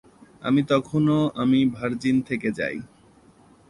আমি তখনো আমি ভার্জিন থেকে যাই।